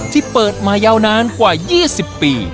ที่เปิดมายาวนานกว่า๒๐ปี